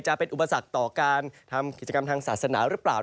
จะเป็นอุปสรรคต่อการทำกิจกรรมทางศาสนาหรือเปล่า